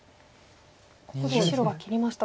ここで白が切りました。